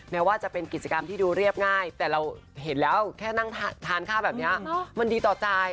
แม้ว่าจะเป็นกิจกรรมที่ดูเรียบง่ายแต่เราเห็นแล้วแค่นั่งทานข้าวแบบนี้มันดีต่อใจ